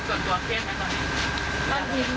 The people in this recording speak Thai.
ส่วนตัวเครียดไหมตอนนี้